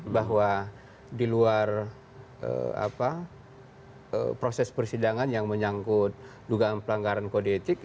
bahwa di luar proses persidangan yang menyangkut dugaan pelanggaran kode etik